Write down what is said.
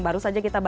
kemarin ada ppkm